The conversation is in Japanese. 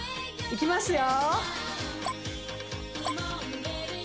いきますよ